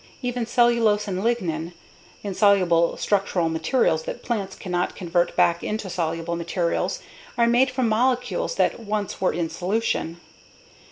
Even cellulose and lignin, insoluble structural materials that plants cannot convert back into soluble materials, are made from molecules that once were in solution.